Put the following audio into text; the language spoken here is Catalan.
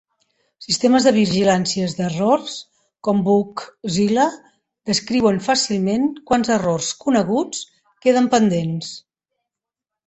Sistemes de vigilància d'errors com Bugzilla descriuen fàcilment quants errors "coneguts" queden pendents.